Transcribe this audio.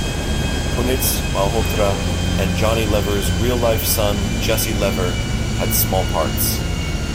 Punit Malhotra and Johnny Lever's real-life son Jesse Lever had small parts.